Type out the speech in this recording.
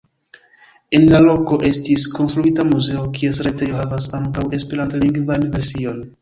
En la loko estis konstruita muzeo, kies retejo havas ankaŭ esperantlingvan version.